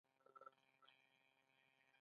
هر ګوند د ځان لپاره ځانګړی چوکاټ جوړوي